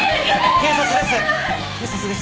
警察です！